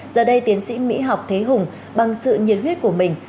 giờ đây tiến sĩ mỹ học thế hùng bằng sự nhiệt huyết của mình